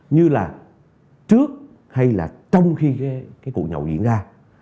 như là trước hay là trong khi cái vụ nhậu diễn ra